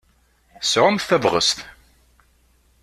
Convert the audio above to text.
Sɛumt tabɣest!